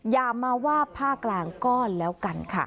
อย่ามาว่าภาคกลางก็แล้วกันค่ะ